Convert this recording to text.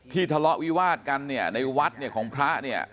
ที่ทะเลาะวิวาสกันในวัดของพระ